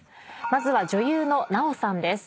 まず女優の奈緒さんです。